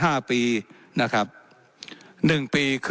และยังเป็นประธานกรรมการอีก